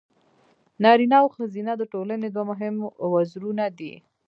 نارینه او ښځینه د ټولنې دوه مهم وزرونه دي.